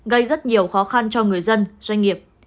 gây rất nhiều khó khăn cho người dân doanh nghiệp